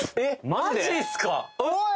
マジっすか？